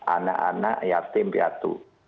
anak anak yatim piatu